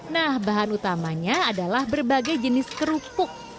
nah bahan utamanya adalah berbagai jenis kerupuk